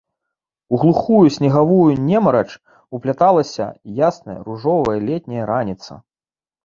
У глухую снегавую немарач упляталася ясная ружовая летняя раніца.